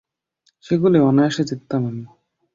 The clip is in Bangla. সেগুলোয় অনায়াসে জিততাম আমি।